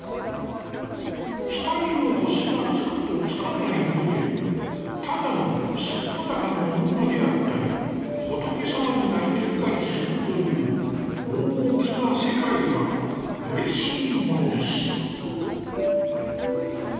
額の星が、つくと、付かないので、タダの素裸の女であったり、ホトケサマに成り切ったりするという、大きな世界は、うれしいものです」。